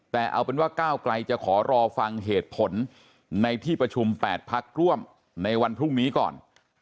แต่เอาเป็นว่าก้าวไกลจะขอรอฟังเหตุผลในที่ประชุม๘พักร่วมในวันพรุ่งนี้ก่อน